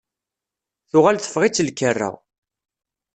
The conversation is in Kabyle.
Tuɣal teffeɣ-itt lkerra.